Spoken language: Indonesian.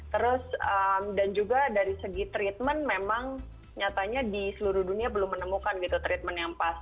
terus dan juga dari segi treatment memang nyatanya di seluruh dunia belum menemukan gitu treatment yang pas